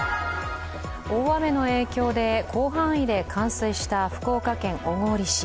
大雨の影響で広範囲で冠水した福岡県小郡市。